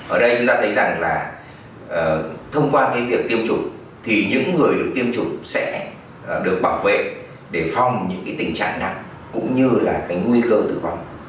ở đây chúng ta thấy rằng là thông qua cái việc tiêm chủng thì những người được tiêm chủng sẽ được bảo vệ để phòng những cái tình trạng nặng cũng như là cái nguy cơ tử vong